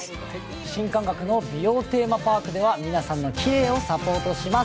新感覚の美容テーマパークでは皆さんのきれいをサポートします。